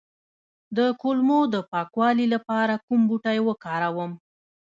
د کولمو د پاکوالي لپاره کوم بوټی وکاروم؟